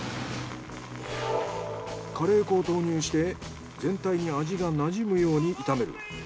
カレー粉を投入して全体に味がなじむように炒める。